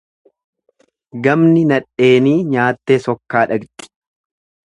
Gamni nadheenii nyaattee sokkaa dhaqxi.